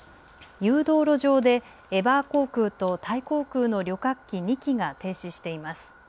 誘導路上でエバー航空とタイ航空の旅客機２機が停止しています。